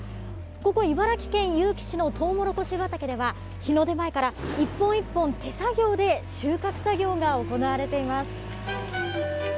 ここ、茨城県結城市のトウモロコシ畑では、日の出前から、一本一本手作業で収穫作業が行われています。